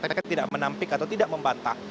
mereka tidak menampik atau tidak membantah